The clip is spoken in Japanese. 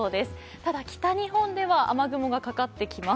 ただ、北日本では雨雲がかかってきます。